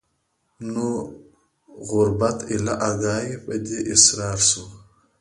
نو ګوربت ایله آګاه په دې اسرار سو